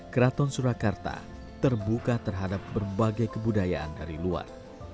keraton surakarta terbuka terhadap berbagai kebudayaan dari luar